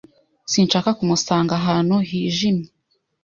Sinshaka kumusanga ahantu hijimye.